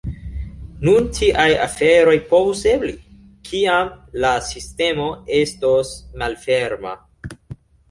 Nun tiaj aferoj povus ebli, kiam la sistemo estos malferma.